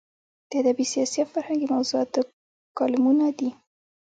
د ادبي، سیاسي او فرهنګي موضوعاتو کالمونه دي.